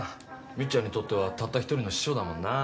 ミッちゃんにとってはたった一人の師匠だもんな。